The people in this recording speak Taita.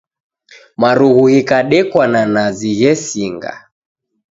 Marughu ghikadekwa na nazi ghesinga.